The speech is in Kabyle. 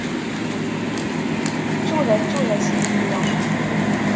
Ttuha, ttuha s yelli.